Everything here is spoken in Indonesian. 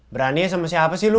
beraninya sama siapa sih lu